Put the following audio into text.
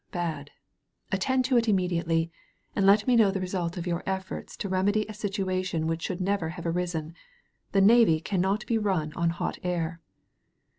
Bad. Attend to it immediately, and let me know the result of your efforts to remedy a situation which should never have arisen. The Navy cannot be run on hot air."